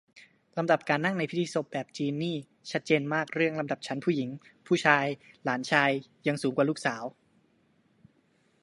ลำดับการนั่งในพิธีศพแบบจีนนี่ชัดเจนมากเรื่องลำดับชั้นผู้หญิงผู้ชาย หลานชายยังสูงกว่าลูกสาว